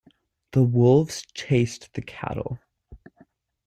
The wolves chased the cattle.